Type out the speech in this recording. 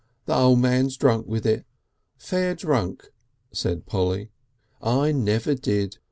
"The O' Man's drunk with it fair drunk," said Polly. "I never did.